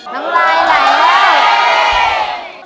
น้องลายไหลได้